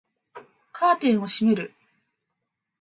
カーテンを閉める